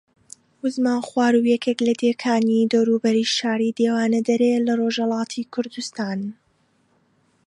وزمان خوارۆ یەکێک لە دێکانی دەوروبەری شاری دیواندەرەیە لە ڕۆژھەڵاتی کوردستان